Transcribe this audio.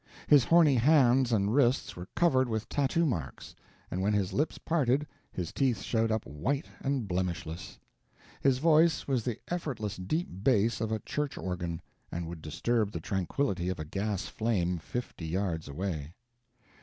His horny hands and wrists were covered with tattoo marks, and when his lips parted, his teeth showed up white and blemishless. His voice was the effortless deep bass of a church organ, and would disturb the tranquility of a gas flame fifty yards away.